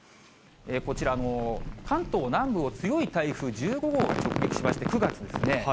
こちら、関東南部を強い台風１５号が直撃しまして、９月ですね。